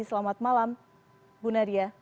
selamat malam bu nadia